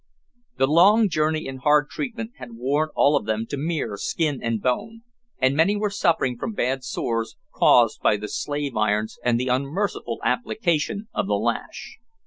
The long journey and hard treatment had worn all of them to mere skin and bone, and many were suffering from bad sores caused by the slave irons and the unmerciful application of the lash.